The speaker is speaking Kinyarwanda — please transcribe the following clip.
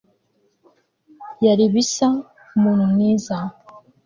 yari bisa umuntu mwiza